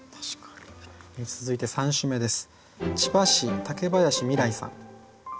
続いて３首目です。